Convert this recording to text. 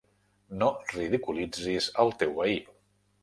No ridiculitzis el teu veí.